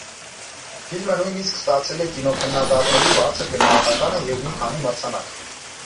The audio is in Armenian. Ֆիլմը նույնիսկ ստացել է կինոքննադատների բարձր գնահատականը և մի քանի մրցանակ։